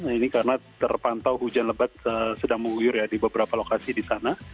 ini karena terpantau hujan lebat sedang mengguyur ya di beberapa lokasi di sana